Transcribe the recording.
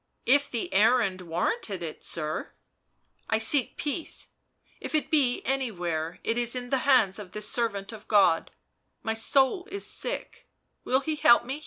" If the errand warranted it, sir." " I seek peace — if it be anywhere it is in the hands of this servant of God — my soul is sick, will he help me heal it?"